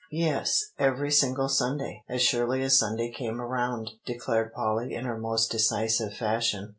"Yes, every single Sunday; as surely as Sunday came around," declared Polly in her most decisive fashion.